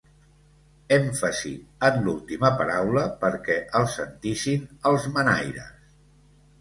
Èmfasi en l'última paraula perquè el sentissin els manaires.